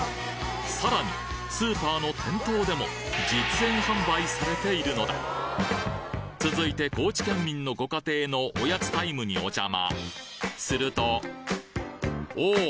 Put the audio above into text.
さらにスーパーの店頭でも実演販売されているのだ続いて高知県民のご家庭のおやつタイムにお邪魔するとおぉ！